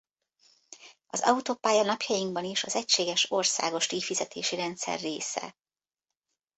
Az autópálya napjainkban is az egységes országos díjfizetési rendszer része.